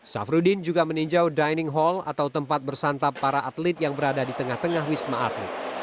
syafruddin juga meninjau dining hall atau tempat bersantap para atlet yang berada di tengah tengah wisma atlet